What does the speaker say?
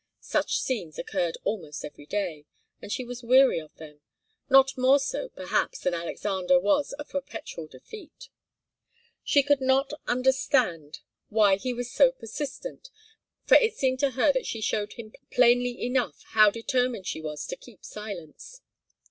Such scenes occurred almost every day, and she was weary of them, not more so, perhaps, than Alexander was of perpetual defeat. She could not understand why he was so persistent, for it seemed to her that she showed him plainly enough how determined she was to keep silence.